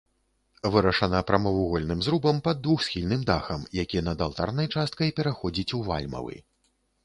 Вырашана прамавугольным зрубам пад двухсхільным дахам, які над алтарнай часткай пераходзіць у вальмавы.